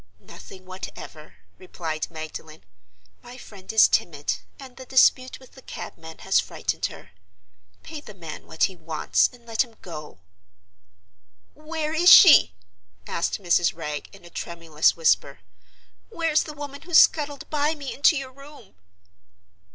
"Nothing whatever," replied Magdalen. "My friend is timid; and the dispute with the cabman has frightened her. Pay the man what he wants, and let him go." "Where is She?" asked Mrs. Wragge, in a tremulous whisper. "Where's the woman who scuttled by me into your room?"